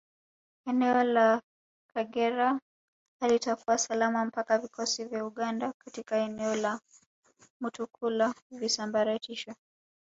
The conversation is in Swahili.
Eneo la Kagera halitakuwa salama mpaka vikosi vya Uganda katika eneo la Mutukula visambaratishwe